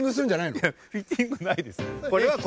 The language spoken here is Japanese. フィッティングないですよ。